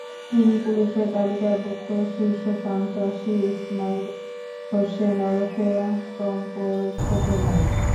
তিনি পুলিশের তালিকাভুক্ত শীর্ষ সন্ত্রাসী ইসমাইল হোসেন ওরফে টেম্পোর ছোট ভাই।